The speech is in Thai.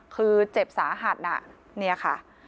คือเจ็บสาหัสน่ะเนี่ยค่ะ